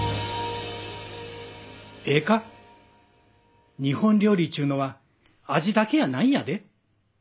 ええか日本料理っちゅうのは味だけやないんやで。